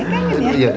kangen ya kangen ya